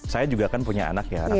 saya juga kan punya anak ya